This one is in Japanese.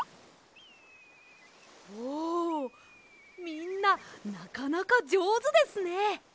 みんななかなかじょうずですね。